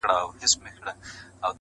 o په دوو بېړيو کي پښې مه ايږده!